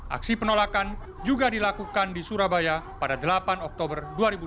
aksi penolakan juga dilakukan di surabaya pada delapan oktober dua ribu dua puluh